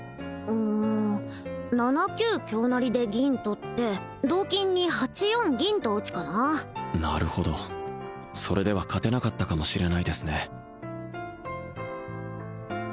うん７九香成で銀取って同金に８四銀と打つかななるほどそれでは勝てなかったかもしれないですね